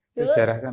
itu sejarah kan